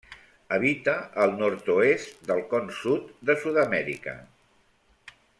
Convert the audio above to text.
Habita el nord-oest del Con Sud de Sud-amèrica.